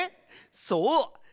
そう！